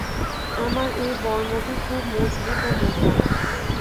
আমার এ বর্মটি খুব মজবুত ও মোটা।